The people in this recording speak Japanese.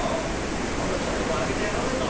今度来たってもう開けてやらねえぞ。